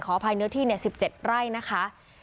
ขออภัยเนื้อที่สิบเจ็ดไร้นะคะ